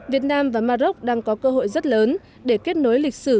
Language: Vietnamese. việt nam và mà rốc đang có cơ hội rất lớn để kết nối lịch sử